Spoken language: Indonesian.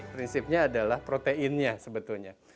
prinsipnya adalah proteinnya sebetulnya